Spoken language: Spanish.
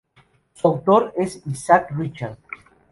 Su autor es Isaac Richards.